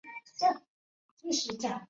那时他到巴勒莫旅行。